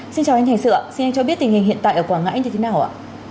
xin chào anh thành sự xin anh cho biết tình hình hiện tại ở quảng ngãi như thế nào ạ